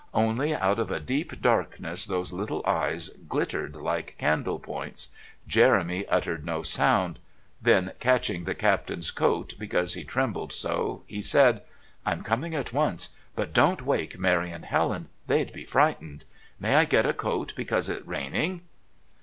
Only out of a deep darkness those little eyes glittered like candle points. Jeremy uttered no sound. Then catching the Captain's coat because he trembled so, he said: "I'm coming at once but don't wake Mary and Helen. They'd be frightened. May I get a coat, because it raining?"